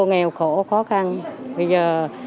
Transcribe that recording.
nghèo khổ khó khăn bây giờ